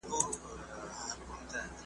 د لوی استاد پوهاند علامه عبدالحي حبيبي